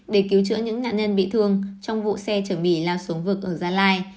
để cứu chữa những nạn nhân bị thương trong vụ xe chở bỉ lao xuống vực ở gia lai